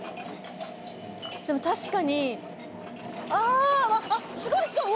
でも確かにああっすごいすごい！